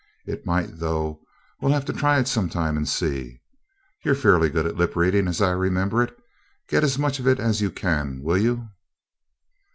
It might, though we'll have to try it some time, and see. You're fairly good at lip reading, as I remember it. Get as much of it as you can, will you?"